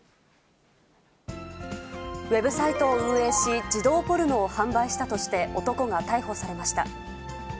ウェブサイトを運営し、児童ポルノを販売したとして、男が逮捕されました。